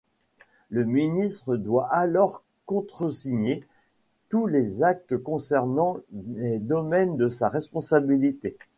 Le ministre doit alors contresigner tous les actes concernant les domaines de sa responsabilité.